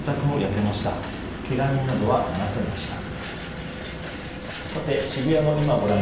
けが人などはいませんでした。